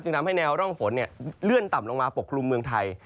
ทำให้แนวร่องฝนเลื่อนต่ำลงมาปกคลุมเมืองไทย